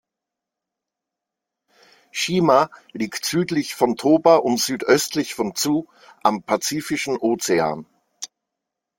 Shima liegt südlich von Toba und südöstlich von Tsu am Pazifischen Ozean.